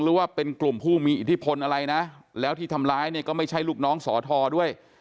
หรือว่าเป็นกลุ่มผู้มีอิทธิพลอะไรนะแล้วที่ทำร้ายเนี่ยก็ไม่ใช่ลูกน้องสอทอด้วย